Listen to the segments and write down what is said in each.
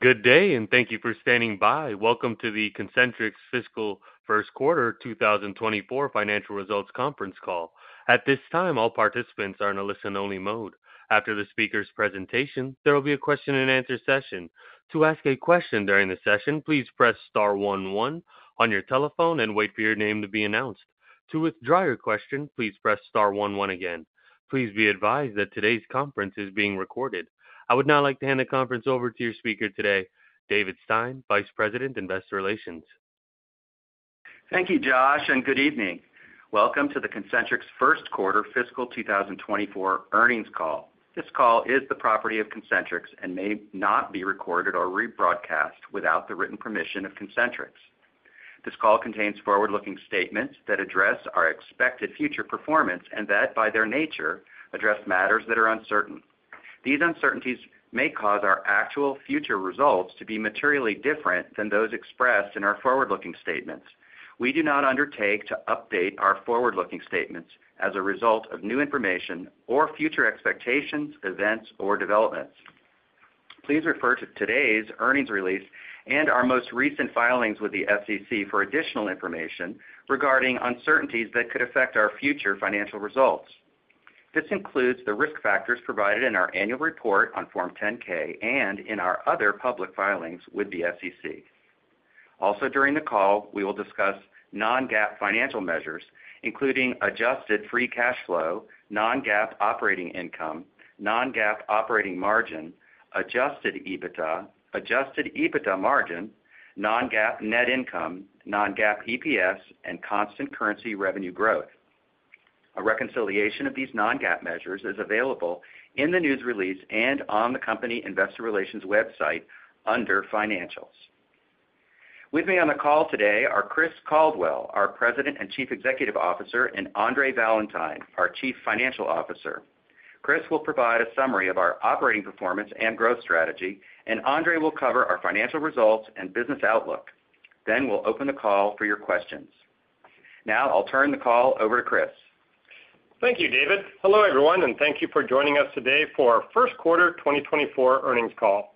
Good day, and thank you for standing by. Welcome to the Concentrix Fiscal First Quarter 2024 Financial Results Conference Call. At this time, all participants are in a listen-only mode. After the speaker's presentation, there will be a question-and-answer session. To ask a question during the session, please press star one one on your telephone and wait for your name to be announced. To withdraw your question, please press star one one again. Please be advised that today's conference is being recorded. I would now like to hand the conference over to your speaker today, David Stein, Vice President, Investor Relations. Thank you, Josh, and good evening. Welcome to the Concentrix First Quarter Fiscal 2024 Earnings Call. This call is the property of Concentrix and may not be recorded or rebroadcast without the written permission of Concentrix. This call contains forward-looking statements that address our expected future performance and that, by their nature, address matters that are uncertain. These uncertainties may cause our actual future results to be materially different than those expressed in our forward-looking statements. We do not undertake to update our forward-looking statements as a result of new information or future expectations, events, or developments. Please refer to today's earnings release and our most recent filings with the SEC for additional information regarding uncertainties that could affect our future financial results. This includes the risk factors provided in our annual report on Form 10-K and in our other public filings with the SEC. Also, during the call, we will discuss Non-GAAP financial measures, including adjusted free cash flow, Non-GAAP operating income, Non-GAAP operating margin, Adjusted EBITDA, Adjusted EBITDA margin, Non-GAAP net income, Non-GAAP EPS, and Constant currency revenue growth. A reconciliation of these Non-GAAP measures is available in the news release and on the company investor relations website under Financials. With me on the call today are Chris Caldwell, our President and Chief Executive Officer, and Andre Valentine, our Chief Financial Officer. Chris will provide a summary of our operating performance and growth strategy, and Andre will cover our financial results and business outlook. Then we'll open the call for your questions. Now I'll turn the call over to Chris. Thank you, David. Hello, everyone, and thank you for joining us today for our First Quarter 2024 Earnings Call.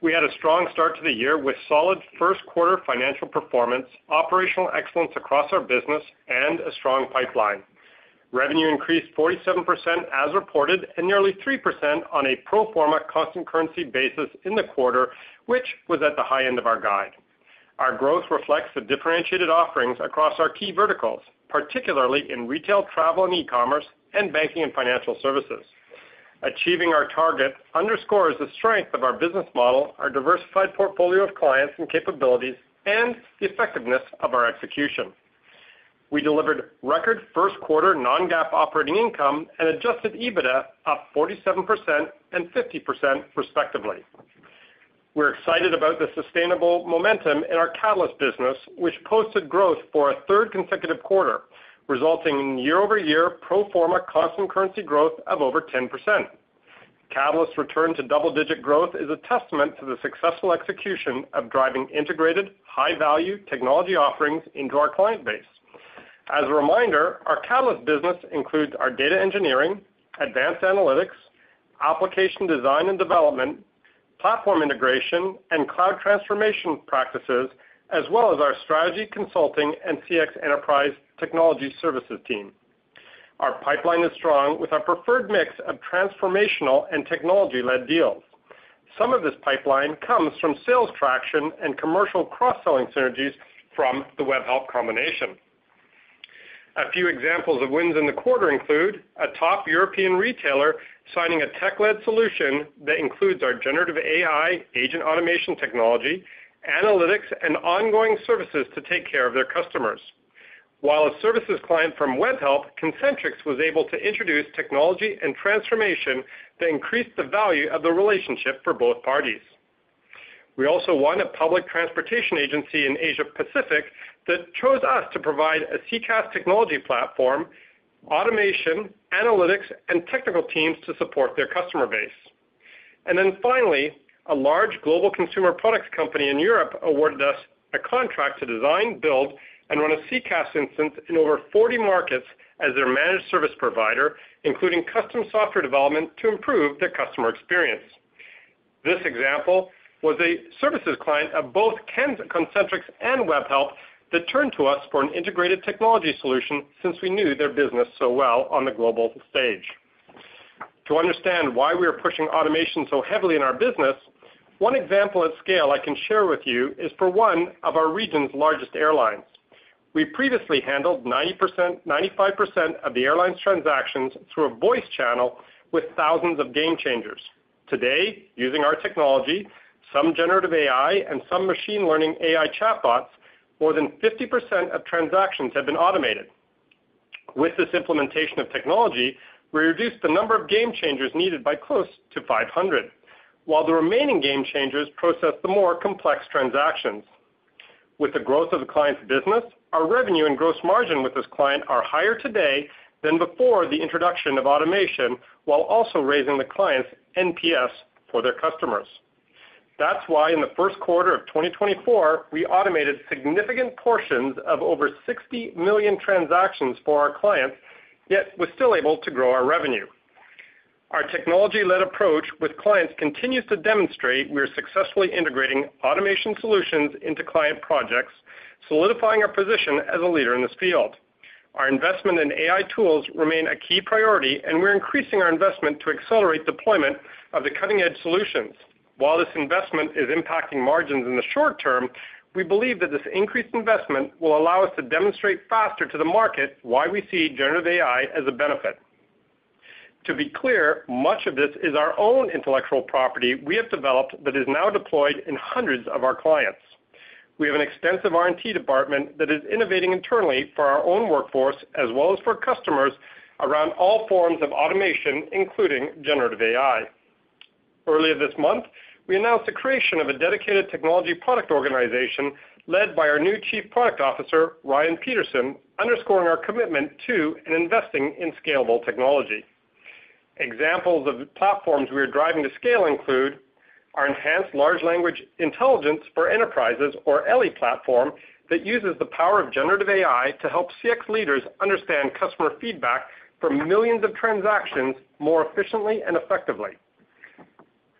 We had a strong start to the year with solid first quarter financial performance, operational excellence across our business, and a strong pipeline. Revenue increased 47% as reported, and nearly 3% on a pro forma constant currency basis in the quarter, which was at the high end of our guide. Our growth reflects the differentiated offerings across our key verticals, particularly in retail, travel, and e-commerce, and banking and financial services. Achieving our target underscores the strength of our business model, our diversified portfolio of clients and capabilities, and the effectiveness of our execution. We delivered record first quarter non-GAAP operating income and Adjusted EBITDA up 47% and 50% respectively. We're excited about the sustainable momentum in our Catalyst business, which posted growth for a third consecutive quarter, resulting in year-over-year pro forma constant currency growth of over 10%. Catalyst's return to double-digit growth is a testament to the successful execution of driving integrated, high-value technology offerings into our client base. As a reminder, our Catalyst business includes our data engineering, advanced analytics, application design and development, platform integration, and cloud transformation practices, as well as our strategy consulting and CX Enterprise Technology Services team. Our pipeline is strong, with our preferred mix of transformational and technology-led deals. Some of this pipeline comes from sales traction and commercial cross-selling synergies from the Webhelp combination. A few examples of wins in the quarter include a top European retailer signing a tech-led solution that includes our generative AI, agent automation technology, analytics, and ongoing services to take care of their customers. While a services client from Webhelp, Concentrix was able to introduce technology and transformation that increased the value of the relationship for both parties. We also won a public transportation agency in Asia Pacific that chose us to provide a CCaaS technology platform, automation, analytics, and technical teams to support their customer base. And then finally, a large global consumer products company in Europe awarded us a contract to design, build, and run a CCaaS instance in over 40 markets as their managed service provider, including custom software development, to improve their customer experience. This example was a services client of both Concentrix and Webhelp that turned to us for an integrated technology solution since we knew their business so well on the global stage. To understand why we are pushing automation so heavily in our business, one example at scale I can share with you is for one of our region's largest airlines. We previously handled 95% of the airline's transactions through a voice channel with thousands of Game Changers. Today, using our technology, some generative AI, and some machine learning AI chatbots, more than 50% of transactions have been automated. With this implementation of technology, we reduced the number of Game Changers needed by close to 500, while the remaining Game Changers process the more complex transactions. With the growth of the client's business, our revenue and gross margin with this client are higher today than before the introduction of automation, while also raising the client's NPS for their customers.... That's why in the first quarter of 2024, we automated significant portions of over 60 million transactions for our clients, yet was still able to grow our revenue. Our technology-led approach with clients continues to demonstrate we are successfully integrating automation solutions into client projects, solidifying our position as a leader in this field. Our investment in AI tools remain a key priority, and we're increasing our investment to accelerate deployment of the cutting-edge solutions. While this investment is impacting margins in the short term, we believe that this increased investment will allow us to demonstrate faster to the market why we see generative AI as a benefit. To be clear, much of this is our own intellectual property we have developed that is now deployed in hundreds of our clients. We have an extensive R&T department that is innovating internally for our own workforce, as well as for customers around all forms of automation, including Generative AI. Earlier this month, we announced the creation of a dedicated technology product organization led by our new Chief Product Officer, Ryan Peterson, underscoring our commitment to and investing in scalable technology. Examples of the platforms we are driving to scale include our Enhanced Large Language Intelligence for Enterprises, or ELLIE, platform that uses the power of Generative AI to help CX leaders understand customer feedback from millions of transactions more efficiently and effectively.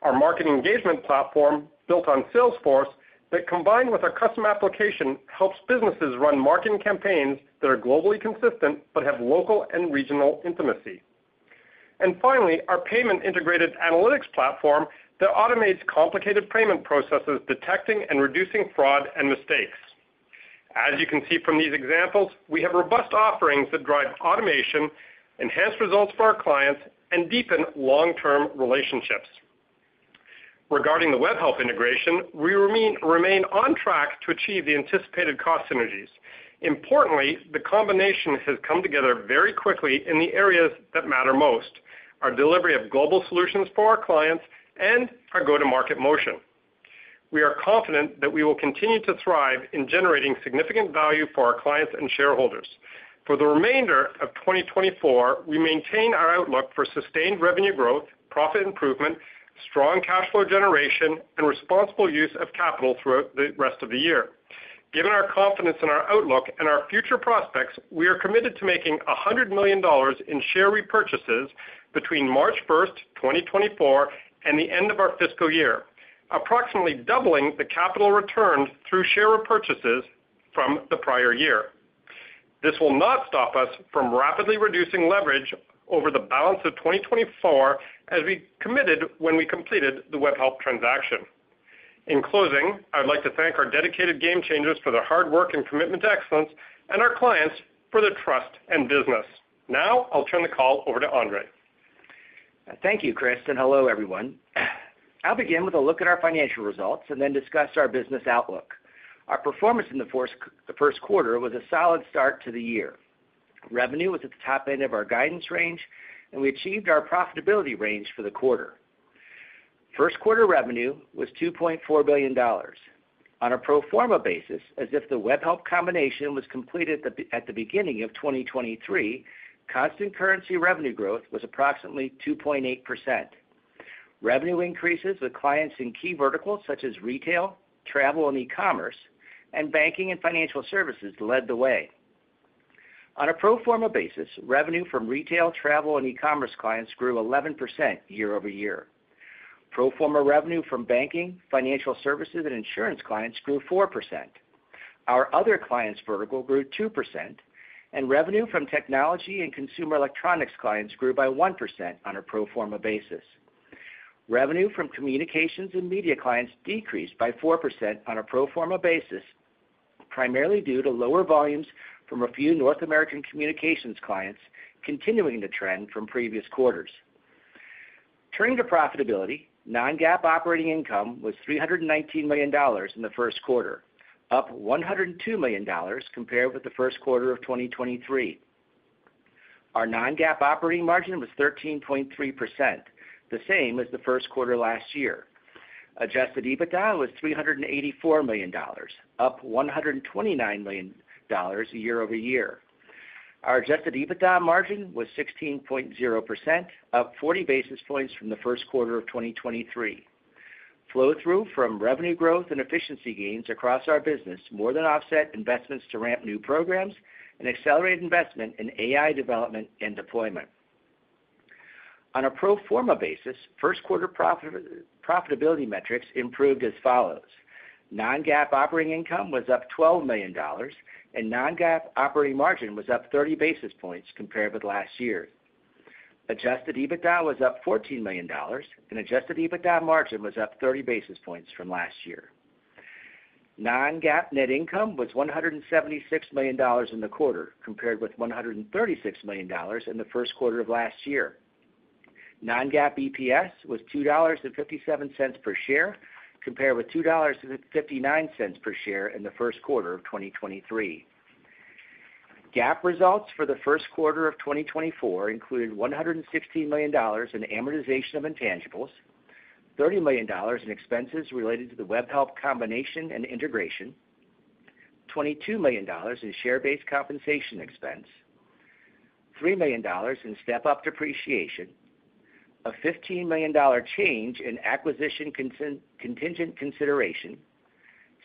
Our Marketing Engagement Platform, built on Salesforce, that combined with our custom application, helps businesses run marketing campaigns that are globally consistent but have local and regional intimacy. And finally, our Payment Integrity Analytics that automates complicated payment processes, detecting and reducing fraud and mistakes. As you can see from these examples, we have robust offerings that drive automation, enhance results for our clients, and deepen long-term relationships. Regarding the Webhelp integration, we remain on track to achieve the anticipated cost synergies. Importantly, the combination has come together very quickly in the areas that matter most, our delivery of global solutions for our clients and our go-to-market motion. We are confident that we will continue to thrive in generating significant value for our clients and shareholders. For the remainder of 2024, we maintain our outlook for sustained revenue growth, profit improvement, strong cash flow generation, and responsible use of capital throughout the rest of the year. Given our confidence in our outlook and our future prospects, we are committed to making $100 million in share repurchases between March 1, 2024, and the end of our fiscal year, approximately doubling the capital returned through share repurchases from the prior year. This will not stop us from rapidly reducing leverage over the balance of 2024, as we committed when we completed the Webhelp transaction. In closing, I'd like to thank our dedicated Game Changers for their hard work and commitment to excellence, and our clients for their trust and business. Now I'll turn the call over to Andre. Thank you, Chris, and hello, everyone. I'll begin with a look at our financial results and then discuss our business outlook. Our performance in the first quarter was a solid start to the year. Revenue was at the top end of our guidance range, and we achieved our profitability range for the quarter. First quarter revenue was $2.4 billion. On a pro forma basis, as if the Webhelp combination was completed at the beginning of 2023, constant currency revenue growth was approximately 2.8%. Revenue increases with clients in key verticals such as retail, travel and e-commerce, and banking and financial services led the way. On a pro forma basis, revenue from retail, travel, and e-commerce clients grew 11% year-over-year. Pro forma revenue from banking, financial services, and insurance clients grew 4%. Our other clients' vertical grew 2%, and revenue from technology and consumer electronics clients grew by 1% on a pro forma basis. Revenue from communications and media clients decreased by 4% on a pro forma basis, primarily due to lower volumes from a few North American communications clients, continuing the trend from previous quarters. Turning to profitability, non-GAAP operating income was $319 million in the first quarter, up $102 million compared with the first quarter of 2023. Our non-GAAP operating margin was 13.3%, the same as the first quarter last year. Adjusted EBITDA was $384 million, up $129 million year over year. Our adjusted EBITDA margin was 16.0%, up 40 basis points from the first quarter of 2023. Flow-through from revenue growth and efficiency gains across our business more than offset investments to ramp new programs and accelerated investment in AI development and deployment. On a pro forma basis, first quarter profitability metrics improved as follows: non-GAAP operating income was up $12 million, and non-GAAP operating margin was up 30 basis points compared with last year. Adjusted EBITDA was up $14 million, and adjusted EBITDA margin was up 30 basis points from last year. Non-GAAP net income was $176 million in the quarter, compared with $136 million in the first quarter of last year. Non-GAAP EPS was $2.57 per share, compared with $2.59 per share in the first quarter of 2023. GAAP results for the first quarter of 2024 included $116 million in amortization of intangibles, $30 million in expenses related to the Webhelp combination and integration, $22 million in share-based compensation expense, $3 million in step-up depreciation, a $15 million change in acquisition contingent consideration,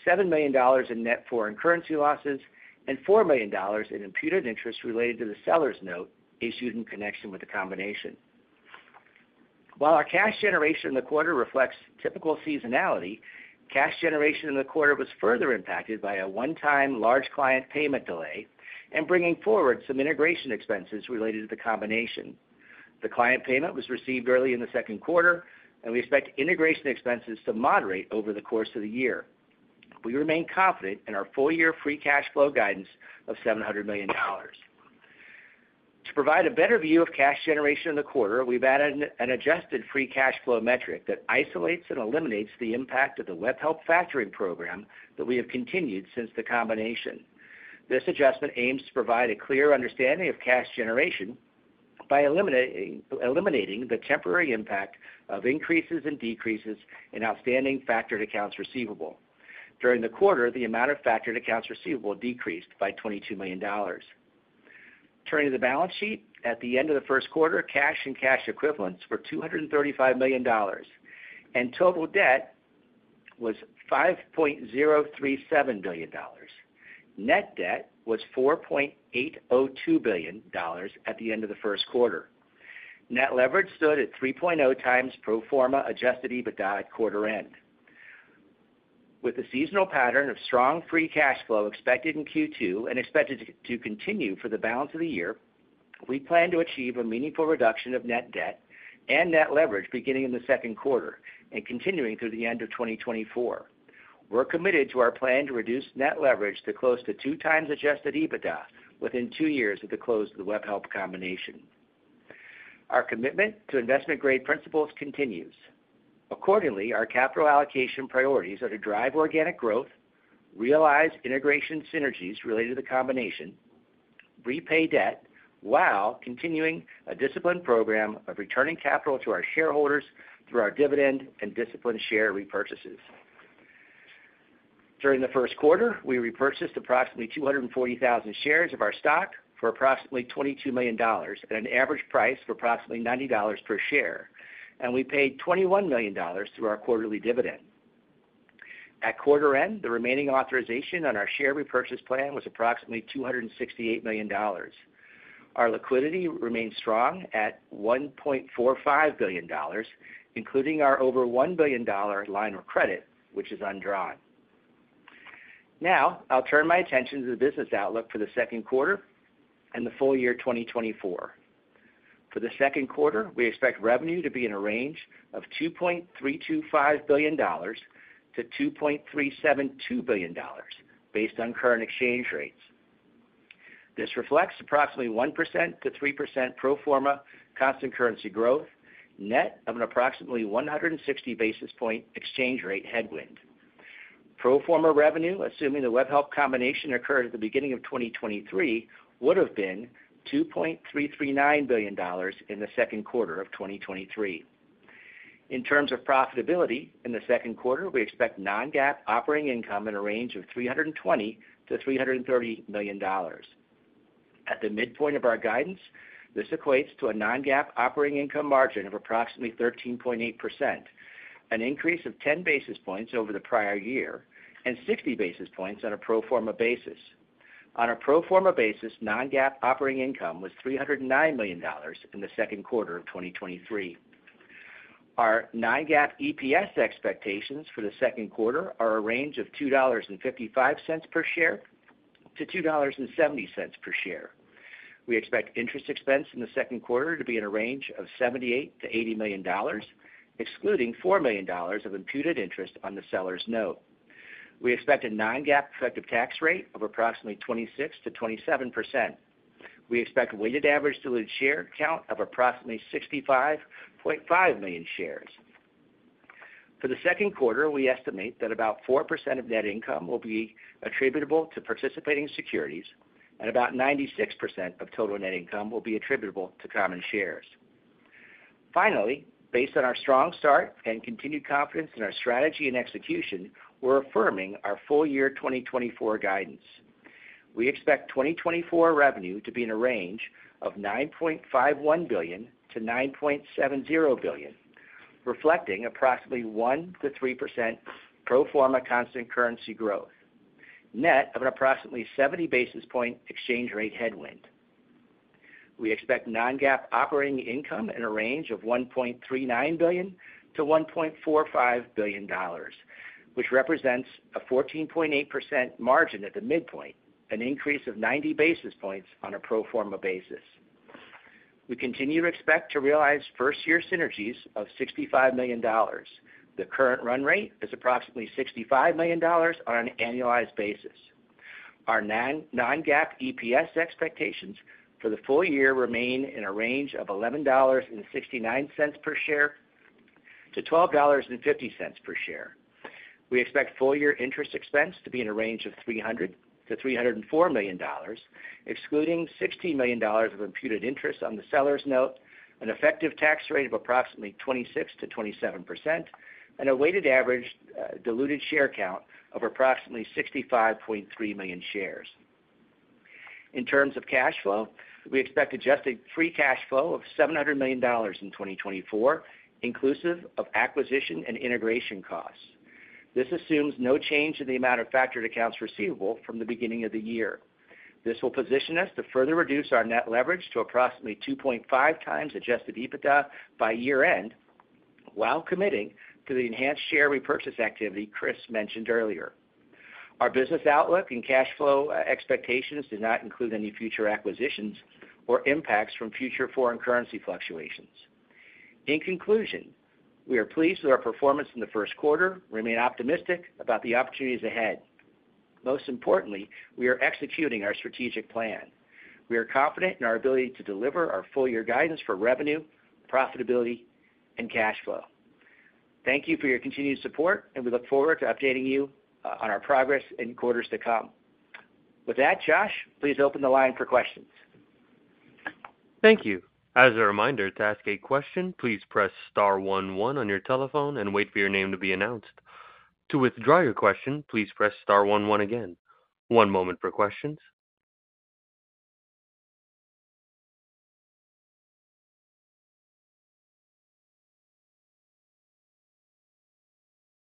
$7 million in net foreign currency losses, and $4 million in imputed interest related to the seller's note issued in connection with the combination. While our cash generation in the quarter reflects typical seasonality, cash generation in the quarter was further impacted by a one-time large client payment delay and bringing forward some integration expenses related to the combination. The client payment was received early in the second quarter, and we expect integration expenses to moderate over the course of the year. We remain confident in our full-year free cash flow guidance of $700 million. To provide a better view of cash generation in the quarter, we've added an adjusted free cash flow metric that isolates and eliminates the impact of the Webhelp factoring program that we have continued since the combination. This adjustment aims to provide a clear understanding of cash generation by eliminating the temporary impact of increases and decreases in outstanding factored accounts receivable. During the quarter, the amount of factored accounts receivable decreased by $22 million. Turning to the balance sheet, at the end of the first quarter, cash and cash equivalents were $235 million, and total debt was $5.037 billion. Net debt was $4.802 billion at the end of the first quarter. Net leverage stood at 3.0 times pro forma adjusted EBITDA at quarter end. With the seasonal pattern of strong free cash flow expected in Q2 and expected to continue for the balance of the year, we plan to achieve a meaningful reduction of net debt and net leverage beginning in the second quarter and continuing through the end of 2024. We're committed to our plan to reduce net leverage to close to two times Adjusted EBITDA within two years of the close of the Webhelp combination. Our commitment to investment-grade principles continues. Accordingly, our capital allocation priorities are to drive organic growth, realize integration synergies related to the combination, repay debt while continuing a disciplined program of returning capital to our shareholders through our dividend and disciplined share repurchases. During the first quarter, we repurchased approximately 240,000 shares of our stock for approximately $22 million at an average price of approximately $90 per share, and we paid $21 million through our quarterly dividend. At quarter end, the remaining authorization on our share repurchase plan was approximately $268 million. Our liquidity remains strong at $1.45 billion, including our over $1 billion line of credit, which is undrawn. Now, I'll turn my attention to the business outlook for the second quarter and the full year 2024. For the second quarter, we expect revenue to be in a range of $2.325 billion-$2.372 billion, based on current exchange rates. This reflects approximately 1%-3% pro forma constant currency growth, net of an approximately 160 basis point exchange rate headwind. Pro forma revenue, assuming the Webhelp combination occurred at the beginning of 2023, would have been $2.339 billion in the second quarter of 2023. In terms of profitability, in the second quarter, we expect Non-GAAP operating income in a range of $320 million-$330 million. At the midpoint of our guidance, this equates to a Non-GAAP operating income margin of approximately 13.8%, an increase of ten basis points over the prior year and sixty basis points on a pro forma basis. On a pro forma basis, Non-GAAP operating income was $309 million in the second quarter of 2023. Our Non-GAAP EPS expectations for the second quarter are a range of $2.55-$2.70 per share. We expect interest expense in the second quarter to be in a range of $78 million-$80 million, excluding $4 million of imputed interest on the seller's note. We expect a non-GAAP effective tax rate of approximately 26%-27%. We expect a weighted average diluted share count of approximately 65.5 million shares. For the second quarter, we estimate that about 4% of net income will be attributable to participating securities, and about 96% of total net income will be attributable to common shares. Finally, based on our strong start and continued confidence in our strategy and execution, we're affirming our full-year 2024 guidance. We expect 2024 revenue to be in a range of $9.51-$9.70 billion, reflecting approximately 1%-3% pro forma constant currency growth, net of an approximately 70 basis points exchange rate headwind. We expect non-GAAP operating income in a range of $1.39 billion-$1.45 billion, which represents a 14.8% margin at the midpoint, an increase of 90 basis points on a pro forma basis. We continue to expect to realize first-year synergies of $65 million. The current run rate is approximately $65 million on an annualized basis. Our non-GAAP EPS expectations for the full year remain in a range of $11.69-$12.50 per share. We expect full-year interest expense to be in a range of $300 million-$304 million, excluding $16 million of imputed interest on the seller's note, an effective tax rate of approximately 26%-27%, and a weighted average diluted share count of approximately 65.3 million shares. In terms of cash flow, we expect adjusted free cash flow of $700 million in 2024, inclusive of acquisition and integration costs. This assumes no change in the amount of factored accounts receivable from the beginning of the year. This will position us to further reduce our net leverage to approximately 2.5x Adjusted EBITDA by year-end, while committing to the enhanced share repurchase activity Chris mentioned earlier. Our business outlook and cash flow expectations does not include any future acquisitions or impacts from future foreign currency fluctuations. In conclusion, we are pleased with our performance in the first quarter, remain optimistic about the opportunities ahead. Most importantly, we are executing our strategic plan. We are confident in our ability to deliver our full year guidance for revenue, profitability, and cash flow. Thank you for your continued support, and we look forward to updating you on our progress in quarters to come. With that, Josh, please open the line for questions. Thank you. As a reminder, to ask a question, please press star one one on your telephone and wait for your name to be announced. To withdraw your question, please press star one one again. One moment for questions.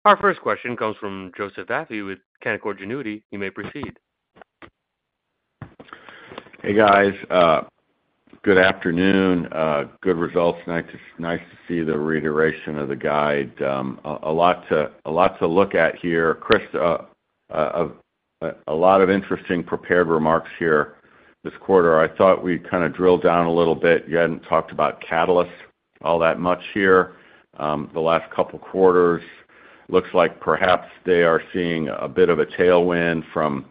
Our first question comes from Joseph Vafi with Canaccord Genuity. You may proceed. Hey, guys, good afternoon. Good results. Nice to see the reiteration of the guide. A lot to look at here, Chris. A lot of interesting prepared remarks here this quarter. I thought we'd kind of drill down a little bit. You hadn't talked about Catalyst all that much here. The last couple quarters, looks like perhaps they are seeing a bit of a tailwind from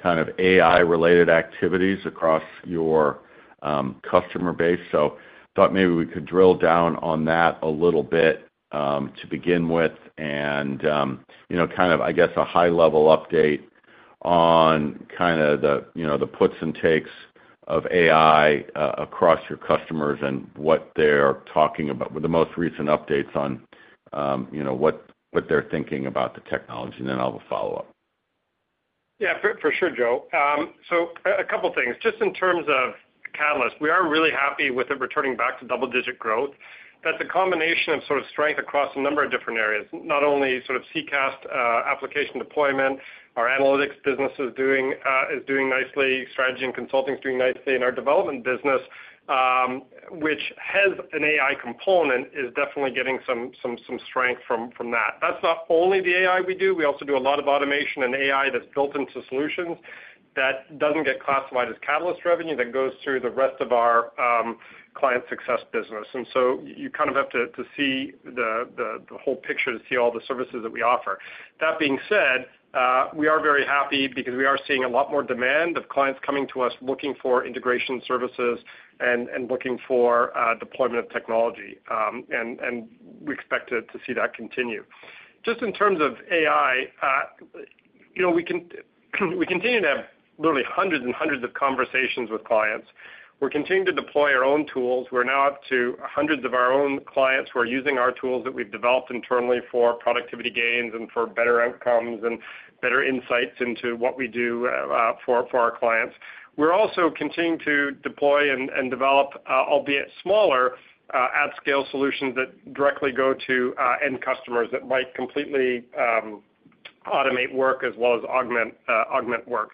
kind of AI-related activities across your customer base. Thought maybe we could drill down on that a little bit, to begin with, and, you know, kind of, I guess, a high-level update on kind of the, you know, the puts and takes of AI across your customers and what they're talking about, with the most recent updates on, you know, what they're thinking about the technology, and then I'll follow up. Yeah, for sure, Joe. So a couple things, just in terms of Catalyst, we are really happy with it returning back to double-digit growth. That's a combination of sort of strength across a number of different areas, not only sort of CCaaS, application deployment. Our analytics business is doing nicely, strategy and consulting is doing nicely, and our development business, which has an AI component, is definitely getting some strength from that. That's not only the AI we do, we also do a lot of automation and AI that's built into solutions that doesn't get classified as Catalyst revenue, that goes through the rest of our client success business. And so you kind of have to see the whole picture to see all the services that we offer. That being said, we are very happy because we are seeing a lot more demand of clients coming to us, looking for integration services and looking for deployment of technology, and we expect to see that continue. Just in terms of AI, you know, we continue to have literally hundreds and hundreds of conversations with clients. We're continuing to deploy our own tools. We're now up to hundreds of our own clients who are using our tools that we've developed internally for productivity gains and for better outcomes and better insights into what we do for our clients. We're also continuing to deploy and develop, albeit smaller, at-scale solutions that directly go to end customers that might completely automate work as well as augment work.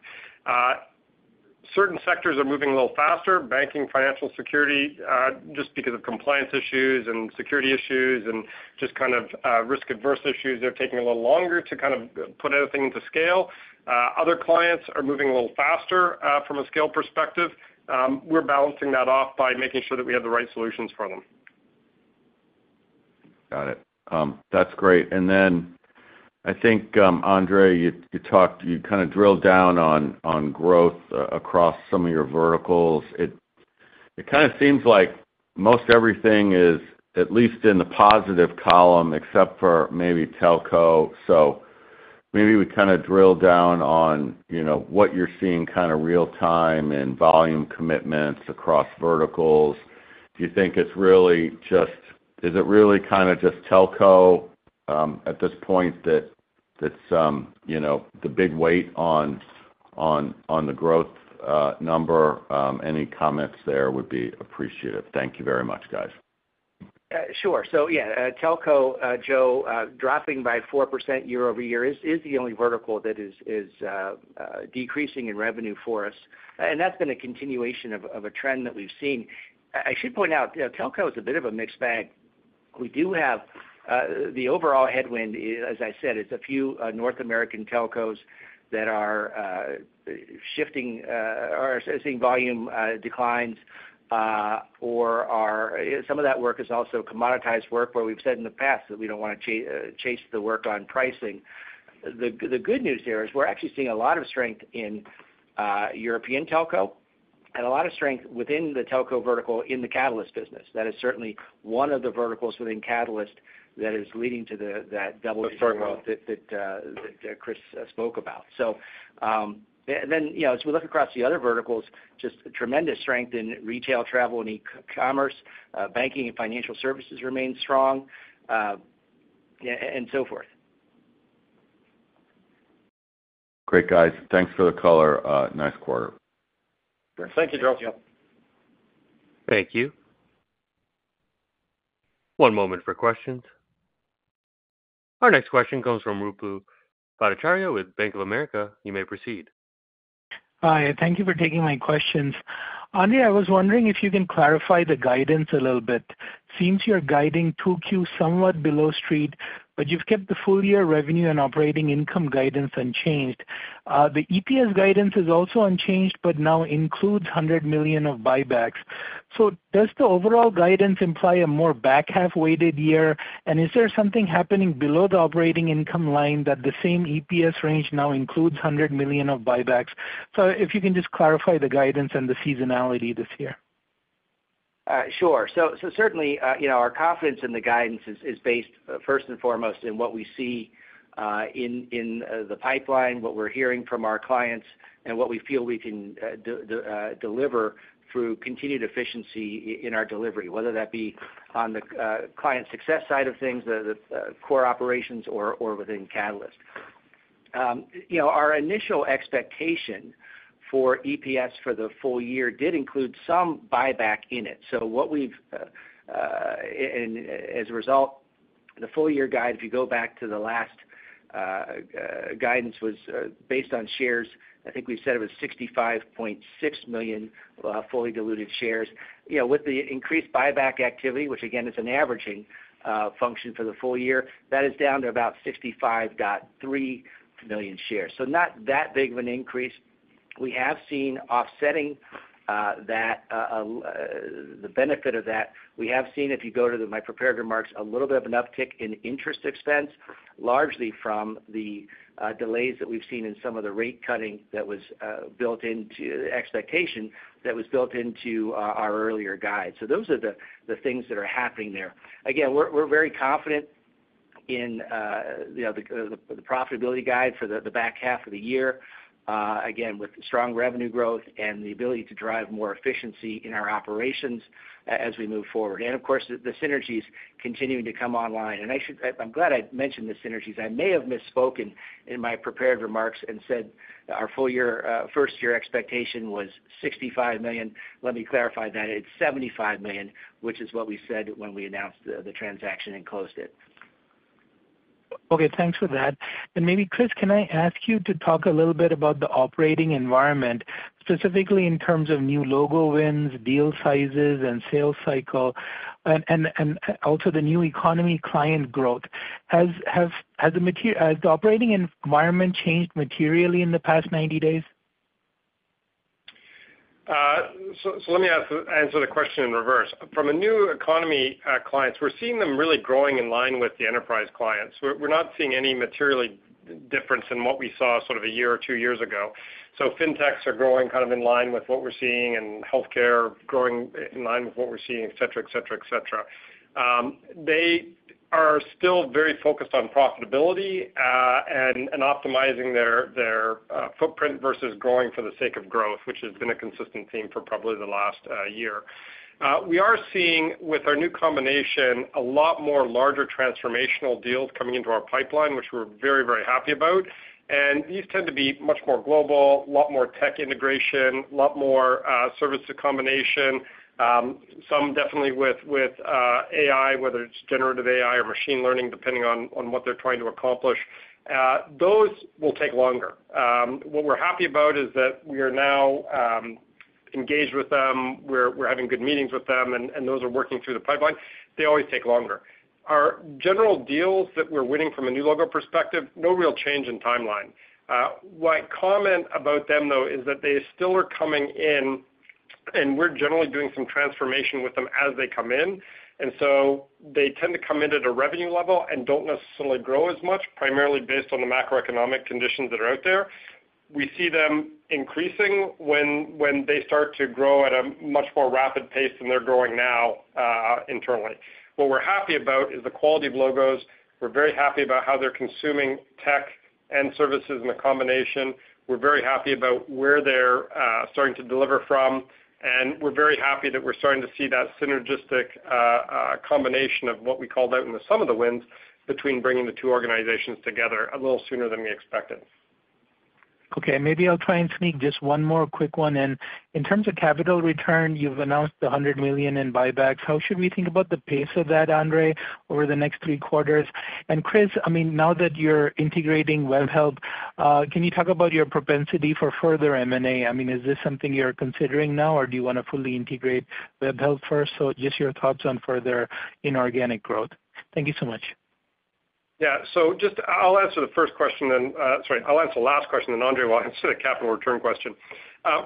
Certain sectors are moving a little faster, banking, financial security, just because of compliance issues and security issues and just kind of risk-averse issues. They're taking a little longer to kind of put everything to scale. Other clients are moving a little faster from a scale perspective. We're balancing that off by making sure that we have the right solutions for them. Got it. That's great. And then I think, Andre, you talked, you kind of drilled down on growth across some of your verticals. It kind of seems like most everything is at least in the positive column, except for maybe telco. So maybe we kind of drill down on, you know, what you're seeing kind of real time and volume commitments across verticals. Do you think it's really just... Is it really kind of just telco at this point, that's you know, the big weight on the growth number? Any comments there would be appreciated. Thank you very much, guys. Sure. So yeah, telco, Joe, dropping by 4% year-over-year is the only vertical that is decreasing in revenue for us, and that's been a continuation of a trend that we've seen. I should point out, you know, telco is a bit of a mixed bag. We do have the overall headwind, as I said, is a few North American telcos that are shifting or seeing volume declines or are... Some of that work is also commoditized work, where we've said in the past that we don't want to chase the work on pricing. The good news here is we're actually seeing a lot of strength in European telco and a lot of strength within the telco vertical in the Catalyst business. That is certainly one of the verticals within Catalyst that is leading to that double-digit growth that Chris spoke about. So, then, you know, as we look across the other verticals, just tremendous strength in retail, travel, and e-commerce. Banking and financial services remain strong, and so forth. Great, guys. Thanks for the color. Nice quarter. Thank you, Joe. Thank you. One moment for questions. Our next question comes from Ruplu Bhattacharya with Bank of America. You may proceed. Hi, thank you for taking my questions. Andre, I was wondering if you can clarify the guidance a little bit. Seems you're guiding 2Q somewhat below street, but you've kept the full year revenue and operating income guidance unchanged. The EPS guidance is also unchanged, but now includes $100 million of buybacks. So does the overall guidance imply a more back-half-weighted year? And is there something happening below the operating income line that the same EPS range now includes $100 million of buybacks? So if you can just clarify the guidance and the seasonality this year. Sure. So certainly, you know, our confidence in the guidance is based first and foremost in what we see in the pipeline, what we're hearing from our clients, and what we feel we can deliver through continued efficiency in our delivery, whether that be on the client success side of things, the core operations, or within Catalyst. You know, our initial expectation for EPS for the full year did include some buyback in it. So what we've... And as a result, the full year guide, if you go back to the last guidance, was based on shares, I think we said it was 65.6 million fully diluted shares. You know, with the increased buyback activity, which again is an averaging function for the full year, that is down to about 65.3 million shares. So not that big of an increase. We have seen offsetting that, the benefit of that. We have seen, if you go to the, my prepared remarks, a little bit of an uptick in interest expense, largely from the delays that we've seen in some of the rate cutting that was built into the expectation, that was built into our earlier guide. So those are the things that are happening there. Again, we're very confident in, you know, the profitability guide for the back half of the year, again, with the strong revenue growth and the ability to drive more efficiency in our operations as we move forward, and of course, the synergies continuing to come online. I'm glad I mentioned the synergies. I may have misspoken in my prepared remarks and said our full year first-year expectation was $65 million. Let me clarify that. It's $75 million, which is what we said when we announced the transaction and closed it. Okay, thanks for that. And maybe, Chris, can I ask you to talk a little bit about the operating environment, specifically in terms of new logo wins, deal sizes, and sales cycle, and also the new economy client growth? Has the operating environment changed materially in the past 90 days? So let me answer the question in reverse. From a new economy clients, we're seeing them really growing in line with the enterprise clients. We're not seeing any material difference in what we saw sort of a year or two years ago. So Fintechs are growing kind of in line with what we're seeing, and healthcare growing in line with what we're seeing, et cetera, et cetera, et cetera. They are still very focused on profitability, and optimizing their footprint versus growing for the sake of growth, which has been a consistent theme for probably the last year. We are seeing, with our new combination, a lot more larger transformational deals coming into our pipeline, which we're very, very happy about. These tend to be much more global, a lot more tech integration, a lot more service to combination, some definitely with AI, whether it's generative AI or machine learning, depending on what they're trying to accomplish. Those will take longer. What we're happy about is that we are now engaged with them, we're having good meetings with them, and those are working through the pipeline. They always take longer. Our general deals that we're winning from a new logo perspective, no real change in timeline. My comment about them, though, is that they still are coming in, and we're generally doing some transformation with them as they come in, and so they tend to come in at a revenue level and don't necessarily grow as much, primarily based on the macroeconomic conditions that are out there. We see them increasing when they start to grow at a much more rapid pace than they're growing now, internally. What we're happy about is the quality of logos. We're very happy about how they're consuming tech and services in the combination. We're very happy about where they're starting to deliver from, and we're very happy that we're starting to see that synergistic combination of what we called out in the sum of the wins between bringing the two organizations together a little sooner than we expected. Okay, maybe I'll try and sneak just one more quick one in. In terms of capital return, you've announced $100 million in buybacks. How should we think about the pace of that, Andre, over the next three quarters? And Chris, I mean, now that you're integrating Webhelp, can you talk about your propensity for further M&A? I mean, is this something you're considering now, or do you want to fully integrate Webhelp first? So just your thoughts on further inorganic growth. Thank you so much. Yeah. So just I'll answer the first question then. Sorry, I'll answer the last question, then Andre will answer the capital return question.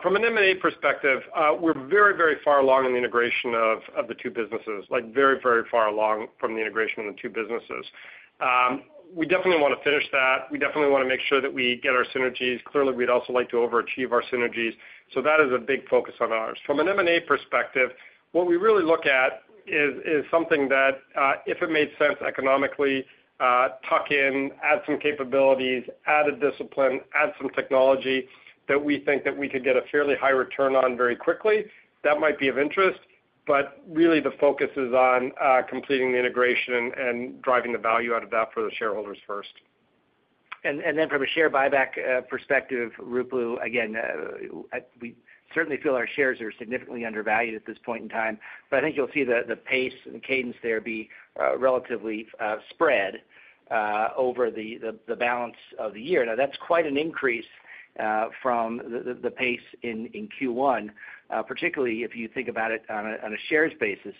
From an M&A perspective, we're very, very far along in the integration of the two businesses, like very, very far along from the integration of the two businesses. We definitely want to finish that. We definitely want to make sure that we get our synergies. Clearly, we'd also like to overachieve our synergies. So that is a big focus of ours. From an M&A perspective, what we really look at is something that, if it made sense economically, tuck in, add some capabilities, add a discipline, add some technology that we think that we could get a fairly high return on very quickly, that might be of interest.... But really the focus is on completing the integration and driving the value out of that for the shareholders first. And then from a share buyback perspective, Ruplu, again, we certainly feel our shares are significantly undervalued at this point in time. But I think you'll see the pace and the cadence there be relatively spread over the balance of the year. Now, that's quite an increase from the pace in Q1, particularly if you think about it on a shares basis,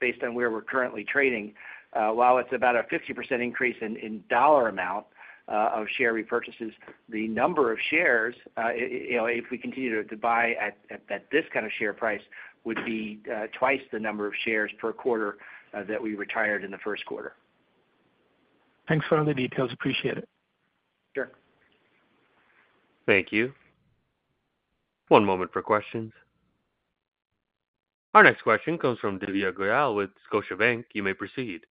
based on where we're currently trading. While it's about a 50% increase in dollar amount of share repurchases, the number of shares, if we continue to buy at this kind of share price, would be twice the number of shares per quarter that we retired in the first quarter. Thanks for all the details. Appreciate it. Sure. Thank you. One moment for questions. Our next question comes from Divya Goyal with Scotiabank. You may proceed.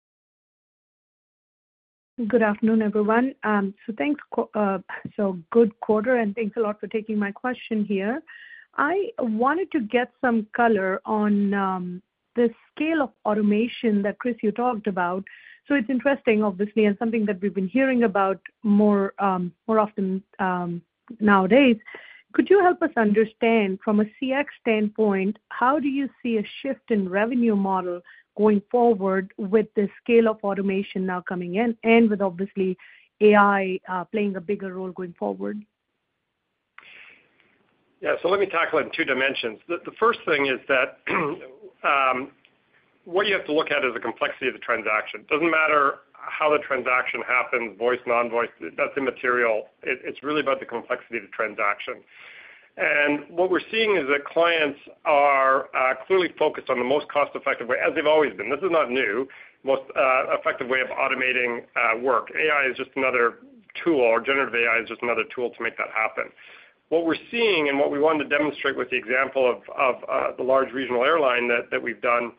Good afternoon, everyone. So thanks, co- so good quarter, and thanks a lot for taking my question here. I wanted to get some color on, the scale of automation that, Chris, you talked about. So it's interesting, obviously, and something that we've been hearing about more, more often, nowadays. Could you help us understand from a CX standpoint, how do you see a shift in revenue model going forward with the scale of automation now coming in and with obviously AI, playing a bigger role going forward? Yeah, so let me tackle it in two dimensions. The first thing is that what you have to look at is the complexity of the transaction. Doesn't matter how the transaction happens, voice, non-voice, that's immaterial. It's really about the complexity of the transaction. And what we're seeing is that clients are clearly focused on the most cost-effective way, as they've always been. This is not new. Most effective way of automating work. AI is just another tool, or Generative AI is just another tool to make that happen. What we're seeing and what we wanted to demonstrate with the example of the large regional airline that we've done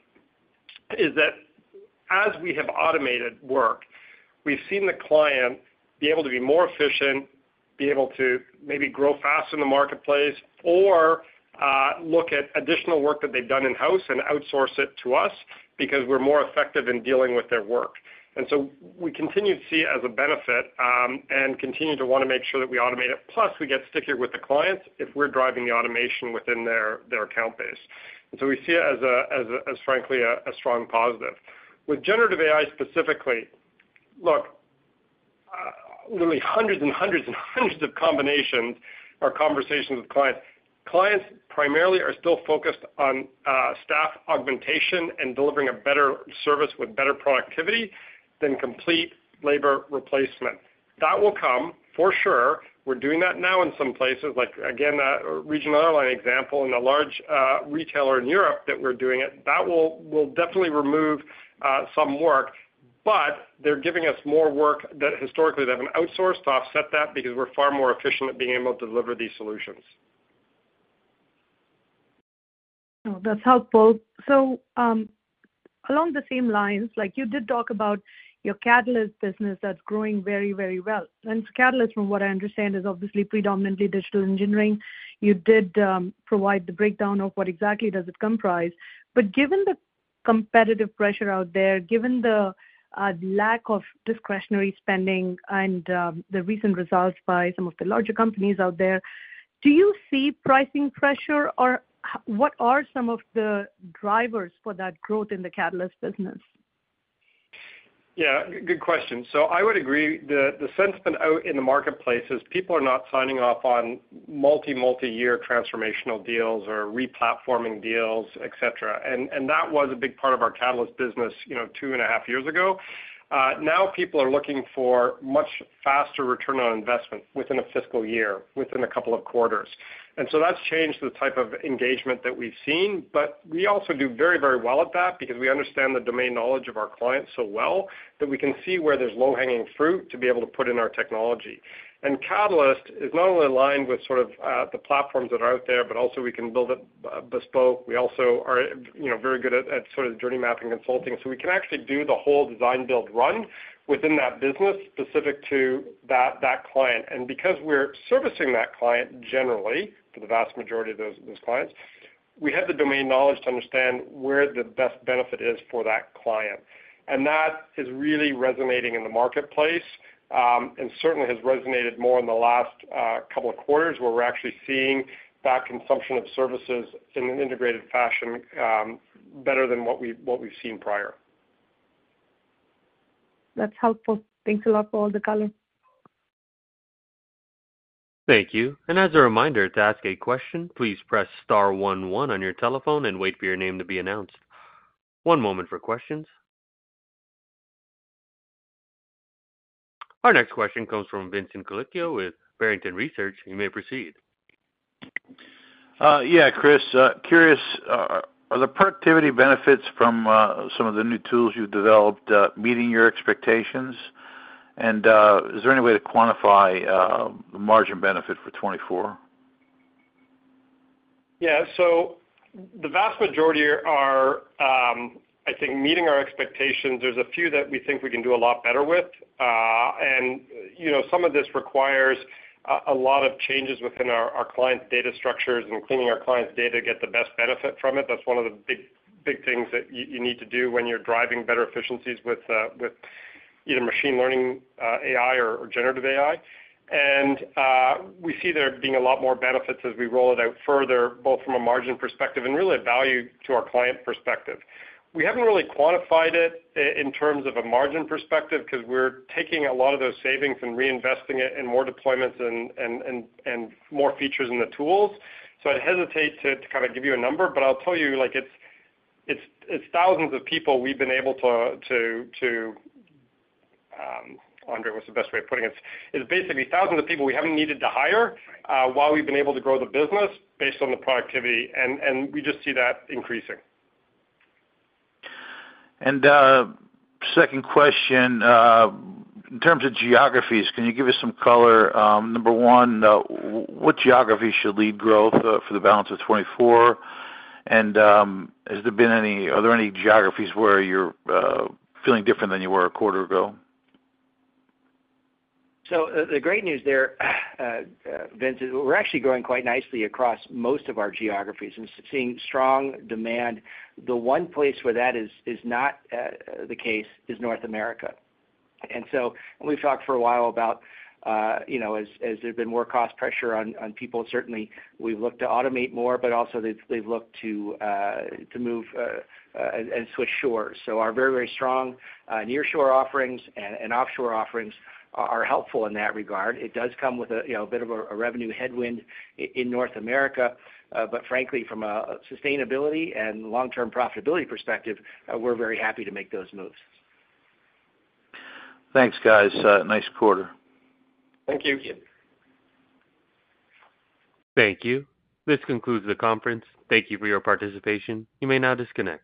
is that as we have automated work, we've seen the client be able to be more efficient, be able to maybe grow faster in the marketplace, or look at additional work that they've done in-house and outsource it to us because we're more effective in dealing with their work. And so we continue to see it as a benefit and continue to wanna make sure that we automate it. Plus, we get stickier with the clients if we're driving the automation within their account base. And so we see it as frankly a strong positive. With Generative AI specifically, look, literally hundreds and hundreds and hundreds of combinations or conversations with clients, clients primarily are still focused on, staff augmentation and delivering a better service with better productivity than complete labor replacement. That will come, for sure. We're doing that now in some places, like, again, that regional airline example and a large, retailer in Europe that we're doing it, that will, will definitely remove, some work, but they're giving us more work that historically they haven't outsourced to offset that because we're far more efficient at being able to deliver these solutions. Oh, that's helpful. So, along the same lines, like you did talk about your Catalyst business that's growing very, very well. And Catalyst, from what I understand, is obviously predominantly digital engineering. You did provide the breakdown of what exactly does it comprise. But given the competitive pressure out there, given the lack of discretionary spending and the recent results by some of the larger companies out there, do you see pricing pressure, or what are some of the drivers for that growth in the Catalyst business? Yeah, good question. So I would agree, the sense has been out in the marketplace is people are not signing off on multi-year transformational deals or replatforming deals, et cetera. And that was a big part of our Catalyst business, you know, two and a half years ago. Now people are looking for much faster return on investment within a fiscal year, within a couple of quarters. And so that's changed the type of engagement that we've seen, but we also do very, very well at that because we understand the domain knowledge of our clients so well that we can see where there's low-hanging fruit to be able to put in our technology. And Catalyst is not only aligned with sort of the platforms that are out there, but also we can build it bespoke. We also are, you know, very good at sort of journey mapping consulting. So we can actually do the whole design, build, run within that business specific to that client. And because we're servicing that client, generally, for the vast majority of those clients, we have the domain knowledge to understand where the best benefit is for that client. And that is really resonating in the marketplace, and certainly has resonated more in the last couple of quarters, where we're actually seeing that consumption of services in an integrated fashion, better than what we've seen prior. That's helpful. Thanks a lot for all the color. Thank you. As a reminder, to ask a question, please press star one one on your telephone and wait for your name to be announced. One moment for questions. Our next question comes from Vincent Colicchio with Barrington Research. You may proceed. Yeah, Chris, curious, are the productivity benefits from some of the new tools you've developed meeting your expectations? And, is there any way to quantify the margin benefit for 2024? Yeah. So the vast majority are, I think meeting our expectations, there's a few that we think we can do a lot better with. And, you know, some of this requires a lot of changes within our client's data structures and cleaning our client's data to get the best benefit from it. That's one of the big, big things that you need to do when you're driving better efficiencies with either machine learning, AI or generative AI. And we see there being a lot more benefits as we roll it out further, both from a margin perspective and really a value to our client perspective. We haven't really quantified it in terms of a margin perspective, 'cause we're taking a lot of those savings and reinvesting it in more deployments and more features in the tools. So I'd hesitate to kind of give you a number, but I'll tell you, like, it's thousands of people we've been able to. I wonder what's the best way of putting it. It's basically thousands of people we haven't needed to hire, while we've been able to grow the business based on the productivity, and we just see that increasing. Second question, in terms of geographies, can you give us some color? Number one, what geographies should lead growth for the balance of 2024? And, are there any geographies where you're feeling different than you were a quarter ago? So the great news there, Vince, is we're actually growing quite nicely across most of our geographies and seeing strong demand. The one place where that is not the case is North America. And so we've talked for a while about, you know, as there's been more cost pressure on people, certainly we've looked to automate more, but also they've looked to move and switch shores. So our very strong nearshore offerings and offshore offerings are helpful in that regard. It does come with a you know a bit of a revenue headwind in North America. But frankly, from a sustainability and long-term profitability perspective, we're very happy to make those moves. Thanks, guys. Nice quarter. Thank you. Thank you. Thank you. This concludes the conference. Thank you for your participation. You may now disconnect.